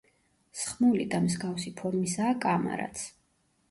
სხმული და მსგავსი ფორმისაა კამარაც.